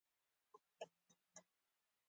ابراهیم علیه السلام بېرته هماغه ځای کې کېښود.